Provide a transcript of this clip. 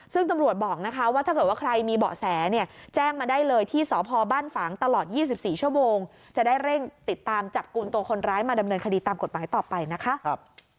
ซึ่งตำรวจบอกนะคะว่าถ้าเกิดว่าใครมีเบาะแสเนี่ยแจ้งมาได้เลยที่สพบ้านฝางตลอด๒๔ชั่วโมงจะได้เร่งติดตามจับกลุ่มตัวคนร้ายมาดำเนินคดีตามกฎหมายต่อไปนะคะ